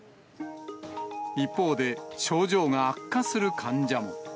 一方で、症状が悪化する患者も。